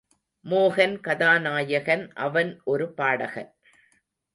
மோகன் கதாநாயகன் அவன் ஒரு பாடகன்.